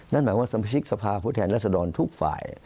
นั่นหมายว่าสมชิกสภาพุทธแห่งรัฐสดรนทุกฝ่าย